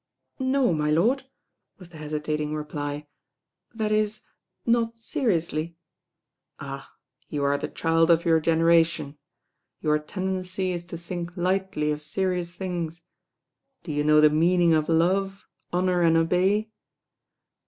"No, my lord," was the hesitating reply, "that is, not seriously." "Ah I you are the child of your generation. Your tendency is to think lightly of serious things. Do you know the meaning of love, honour and obey?"